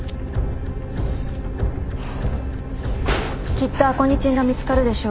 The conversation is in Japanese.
きっとアコニチンが見つかるでしょう。